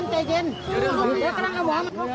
เฮ้ยยายยาย